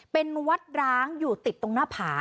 เป็นวัดร้างอยู่ติดตรงหน้าผา